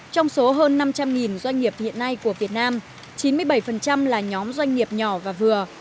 trong số hơn năm trăm linh doanh nghiệp hiện nay của việt nam chín mươi bảy là nhóm doanh nghiệp nhỏ và vừa